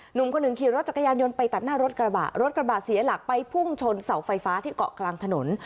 หนุ่มคนหนึ่งขี่รถจักรยานยนต์ไปตัดหน้ารถกระบะรถกระบะเสียหลักไปพุ่งชนเสาไฟฟ้าที่เกาะกลางถนน